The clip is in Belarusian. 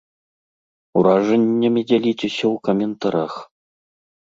Уражаннямі дзяліцеся ў каментарах.